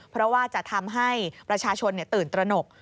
เพราะว่าจะทำให้ประชาชนตื่นตระหนก